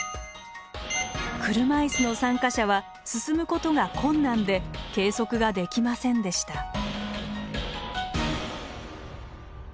車椅子の参加者は進むことが困難で計測ができませんでした。